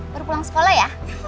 baru pulang sekolah ya